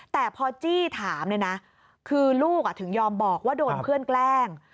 แต่พอจี้ถามเนี่ยนะคือลูกถึงยอมบอกว่าโดนเพื่อนแกล้ง